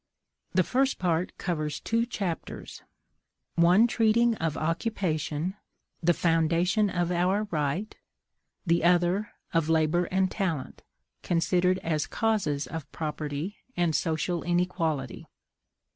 The first part covers two chapters: one treating of occupation, the foundation of our right; the other, of labor and talent, considered as causes of property and social inequality.